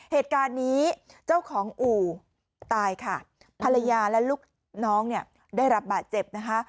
เหตุการณ์นี้เจ้าของอู่ตายค่ะภรรยาและลูกน้องเนี่ยได้รับบาดเจ็บนะคะ